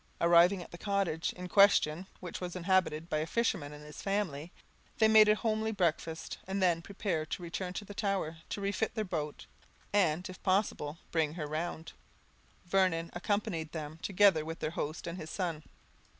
Arriving at the cottage in question, which was inhabited by a fisherman and his family, they made an homely breakfast, and then prepared to return to the tower, to refit their boat, and if possible bring her round. Vernon accompanied them, together with their host and his son.